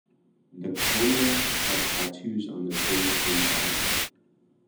The Konyaks have tattoos on their face and body.